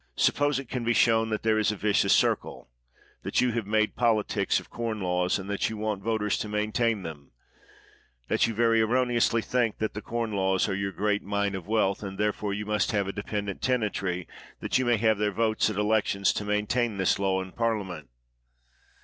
Suppose it can be shown that there is a vicious circle ; that you have made politics of Corn Laws, and that you want voters 160 COBDEN to maintain them; that you very erroneously think that the Corn Laws are your great mine of wealth, and, therefore, you must have a de pendent tenantry, that you may have their votes at elections to maintain this law in Parliament.